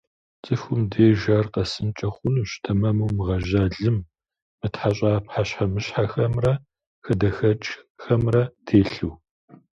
Цӏыхум деж ар къэсынкӏэ хъунущ тэмэму мыгъэжьа лым, мытхьэщӏа пхъэщхьэмыщхьэхэмрэ хадэхэкӏхэмрэ телъу.